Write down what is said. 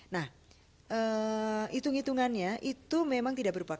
nah hitung hitungannya itu memang tidak berpakai